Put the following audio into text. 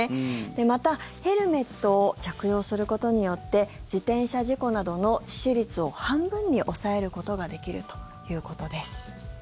また、ヘルメットを着用することによって自転車事故などの致死率を半分に抑えることができるということです。